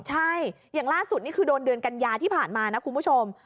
ใช่อย่างล่าสุดนี่คือโดนเดือนกัญญาที่ผ่านมานะคุณผู้ชม